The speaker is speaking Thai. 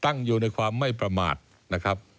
ตั้งอยู่ในความไม่ประมาทนะครับ